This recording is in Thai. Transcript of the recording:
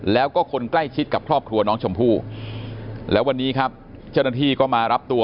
แล้วก็คนใกล้ชิดกับครอบครัวน้องชมพู่แล้ววันนี้ครับเจ้าหน้าที่ก็มารับตัว